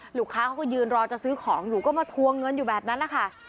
ลูกค้าเขาก็ยืนรอจะซื้อของอยู่ก็มาทวงเงินอยู่แบบนั้นนะคะ